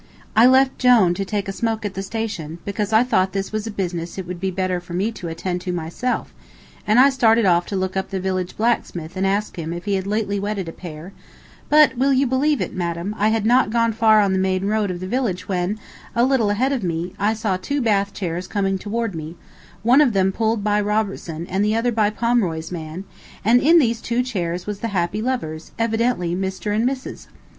I left Jone to take a smoke at the station, because I thought this was a business it would be better for me to attend to myself, and I started off to look up the village blacksmith and ask him if he had lately wedded a pair; but, will you believe it, madam, I had not gone far on the main road of the village when, a little ahead of me, I saw two bath chairs coming toward me, one of them pulled by Robertson, and the other by Pomeroy's man, and in these two chairs was the happy lovers, evidently Mr. and Mrs.!